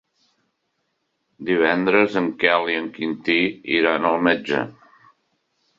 Divendres en Quel i en Quintí iran al metge.